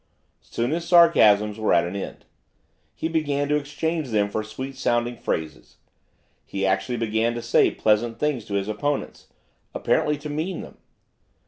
Soon his sarcasms were at an end. He began to exchange them for sweet sounding phrases. He actually began to say pleasant things to his opponents; apparently to mean them.